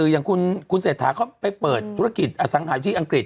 อย่างคุณเศรษฐาเขาไปเปิดธุรกิจอสังหาอยู่ที่อังกฤษ